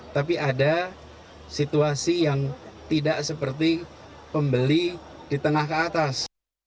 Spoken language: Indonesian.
tapi ada situasi yang tidak seperti pembeli di tengah ke atas